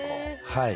はい。